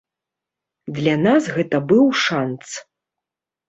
Для нас гэта быў шанц.